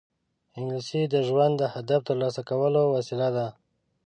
انګلیسي د ژوند د هدف ترلاسه کولو وسیله ده